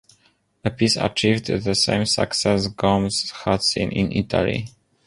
The piece achieved the same success Gomes had seen in Italy.